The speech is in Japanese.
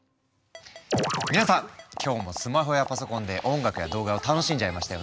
皆さん今日もスマホやパソコンで音楽や動画を楽しんじゃいましたよね。